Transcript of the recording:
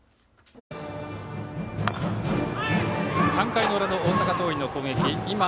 ３回の裏の大阪桐蔭の攻撃。